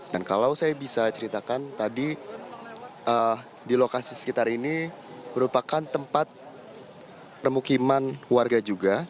dan kalau saya bisa ceritakan tadi di lokasi sekitar ini merupakan tempat permukiman warga juga